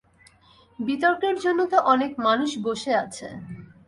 বিতর্কের জন্য তো অনেক মানুষ বসে আছে।